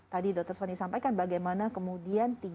tadi dr soni sampaikan bagaimana kemudian